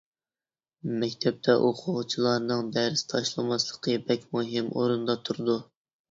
مەكتەپتە ئوقۇغۇچىلارنىڭ دەرس تاشلىماسلىقى بەك مۇھىم ئورۇندا تۇرىدۇ.